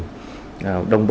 đồng bộ cả đồng chí